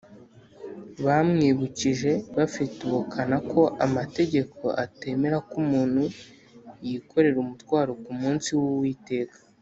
. Bamwibukije bafite ubukana ko amategeko atemera ko umuntu yikorera umutwaro ku munsi w’Uwiteka